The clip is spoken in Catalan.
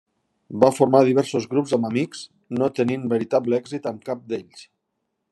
Va formar diversos grups amb amics, no tenint veritable èxit amb cap d'ells.